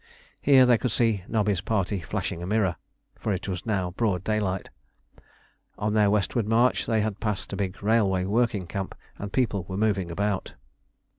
Here they could see Nobby's party flashing a mirror: for it was now broad daylight. On their westward march they had passed a big railway working camp, and people were moving about.